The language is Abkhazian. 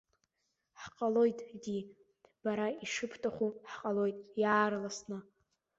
Ҳҟалоит, ди, бара ишыбҭаху ҳҟалоит иаарласны.